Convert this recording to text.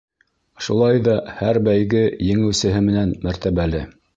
Шулай ҙа һәр бәйге еңеүсеһе менән мәртәбәле.